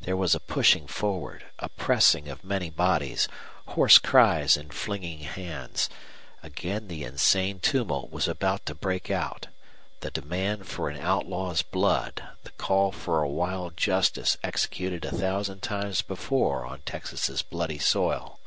There was a pushing forward, a pressing of many bodies, hoarse cries and flinging hands again the insane tumult was about to break out the demand for an outlaw's blood, the call for a wild justice executed a thousand times before on Texas's bloody soil.